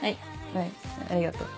はいありがとう。